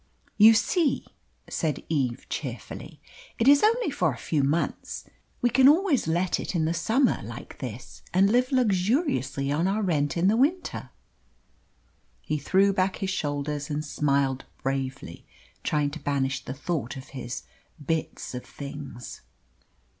"You see," said Eve cheerfully, "it is only for a few months. We can always let it in the summer like this, and live luxuriously on our rent in the winter." He threw back his shoulders and smiled bravely, trying to banish the thought of his "bits of things."